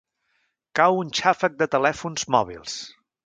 Cau un xàfec de telèfons mòbils.